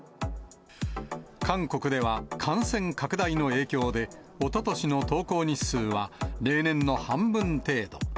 韓国では、感染拡大の影響で、おととしの登校日数は、例年の半分程度。